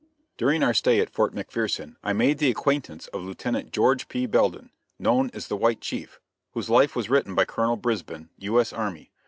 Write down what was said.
] During our stay at Fort McPherson I made the acquaintance of Lieutenant George P. Belden, known as the "White Chief," whose life was written by Colonel Brisbin, U.S. army.